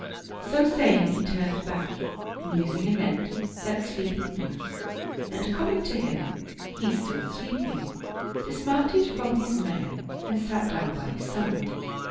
" So saying he turned back^ musing anent that sleeping youth, and coming to him, he still sleeping, dismounted from his mare and sat down by his side.